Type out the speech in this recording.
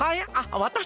わたし？